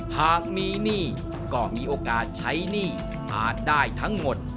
หากมีหนี้ก็มีโอกาสใช้หนี้อาจได้ทั้งหมด